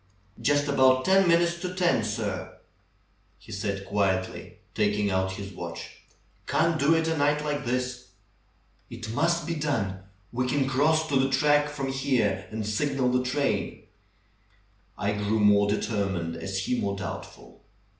"Just about ten minutes to ten, sir," he said quietly, taking out his watch. "Can't do it a night like this." "It must be done! We can cross to the track from here and signal the train." I grew more determined as he more doubtful.